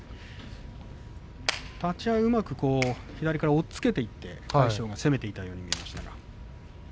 立ち合いうまく左から押っつけていって攻めていったように見えました。